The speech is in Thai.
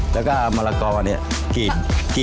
แล้วก็มะละกอแบบนี้ขี้